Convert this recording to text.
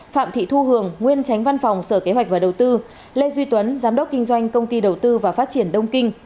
phạm thị thu hường nguyên tránh văn phòng sở kế hoạch và đầu tư lê duy tuấn giám đốc kinh doanh công ty đầu tư và phát triển đông kinh